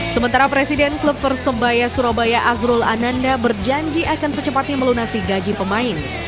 sementara presiden klub persebaya surabaya azrul ananda berjanji akan secepatnya melunasi gaji pemain